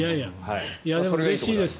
でもうれしいです。